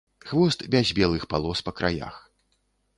Хвост без белых палос па краях.